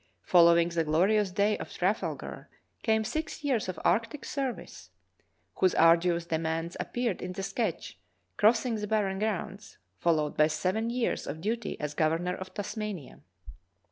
Fol lowing the glorious day of Trafalgar came six years of arctic service — whose arduous demands appear in the sketch, "Crossing the Barren Grounds" — followed by seven years of duty as governor of Tasmania.